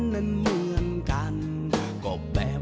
จะตั้งชื่อว่าเป็นของลูกนะครับ